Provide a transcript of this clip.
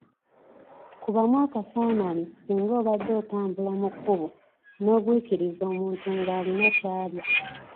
Kubamu akafaananyi singa obadde otambula mu kkubo nogwikiriza omuntu ng'alina kyalya.